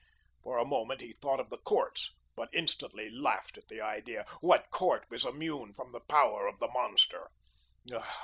For a moment he thought of the courts, but instantly laughed at the idea. What court was immune from the power of the monster?